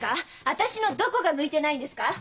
私のどこが向いてないんですか？